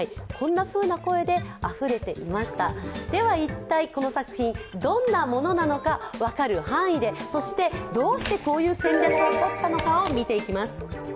一体、この作品どんなものなのか分かる範囲で、そして、どうしてこういう戦略をとったのかを見ていきます。